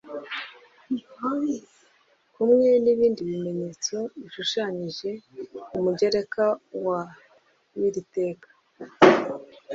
kumwe n ibindi bimenyetso bishushanyije ku mugereka wa w iri teka